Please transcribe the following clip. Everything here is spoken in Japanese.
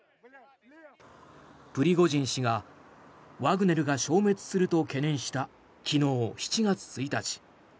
プリゴジン氏がワグネルが消滅すると懸念した昨日７月１日。